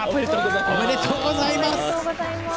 おめでとうございます。